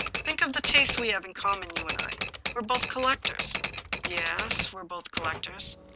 Think of the tastes we have in common, you and I. We're both collectors." " Ye es, we're both collectors."